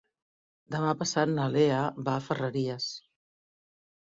Demà passat na Lea va a Ferreries.